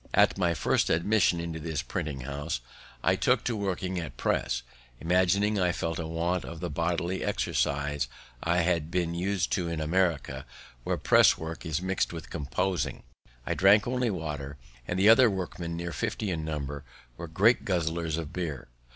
At my first admission into this printing house I took to working at press, imagining I felt a want of the bodily exercise I had been us'd to in America, where presswork is mix'd with composing. I drank only water; the other workmen, near fifty in number, were great guzzlers of beer.